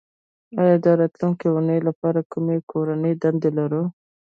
ایا د راتلونکې اونۍ لپاره کومه کورنۍ دنده لرو